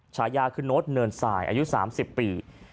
ฉายาคือโน้ตเนินสายอายุ๓๐ปี